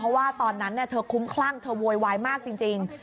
เพราะว่าตอนนั้นเธอคุ้มคลั่งเธอโวยวายมากจริง